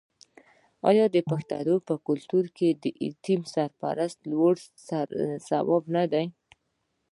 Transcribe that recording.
آیا د پښتنو په کلتور کې د یتیم سرپرستي لوی ثواب نه دی؟